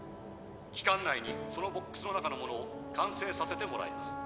期間内にそのボックスの中のものを完成させてもらいます。